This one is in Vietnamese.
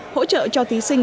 hỗ trợ cho thí sinh sinh